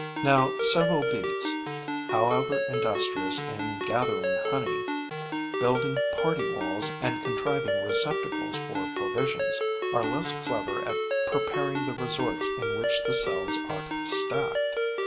Now several Bees, however industrious in gathering honey, building party walls and contriving receptacles for provisions, are less clever at preparing the resorts in which the cells are to be stacked.